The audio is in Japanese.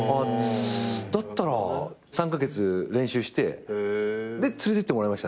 だったら３カ月練習してで連れてってもらいましたね。